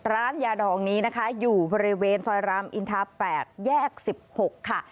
ร้านยาดองนี้นะคะอยู่บริเวณซอยรามอินทา๘แยก๑๖ค่ะ